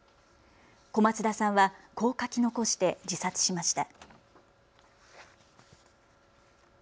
小松田さんはこう書き残して自殺しました。